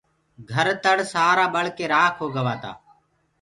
گھر تَڙ سآرآ ٻݪ ڪي رآکِ هوگآ تآ۔